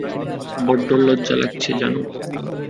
বড্ড লজ্জা লাগছে, জানো?